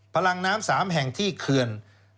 พลังน้ำ๓แห่งที่เขื่อน